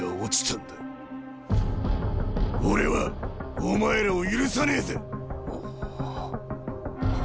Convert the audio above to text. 俺はお前らを許さねえぜ。